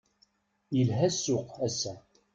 Yelha ssuq ass-a.